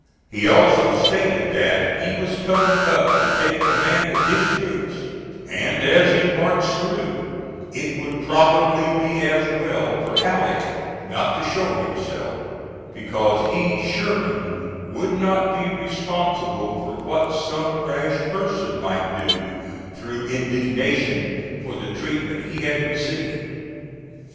He also stated that he was coming up to take command of his troops, and as he marched through it would probably be as well for Halleck not to show himself, because he (Sherman) would not be responsible for what some rash person might do through indignation for the treatment he had received.